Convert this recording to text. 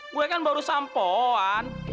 gue kan baru sampoan